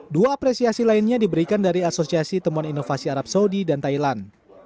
dua apresiasi lainnya diberikan dari asosiasi temuan inovasi arab saudi dan thailand